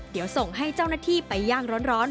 เดี๋ยวส่งให้เจ้าหน้าที่ไปย่างร้อน